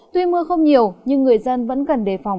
tuy mưa không nhiều nhưng người dân vẫn cần đề phòng